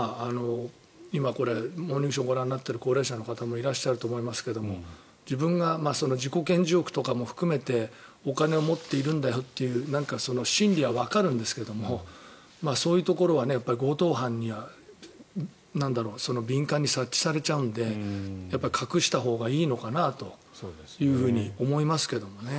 今、「モーニングショー」をご覧になっている高齢者の方もいらっしゃると思いますが自分が自己顕示欲とかも含めてお金を持っているんだよっていう心理はわかるんですけどそういうところは強盗犯には敏感に察知されちゃうので隠したほうがいいのかなと思いますけどね。